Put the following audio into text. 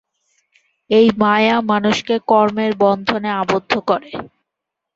এই মায়া মানুষকে কর্মের বন্ধনে আবদ্ধ করে।